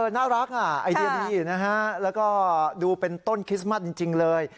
น่ารักไอเดียดีนะฮะแล้วก็ดูเป็นต้นคริสต์มัสจริงเลย